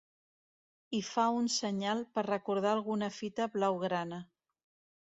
Hi fa un senyal per recordar alguna fita blau-grana.